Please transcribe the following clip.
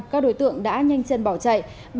các đối tượng đã nhanh chân bỏ chạy